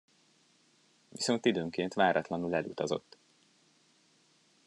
Viszont időnként váratlanul elutazott.